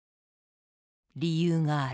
理由がある。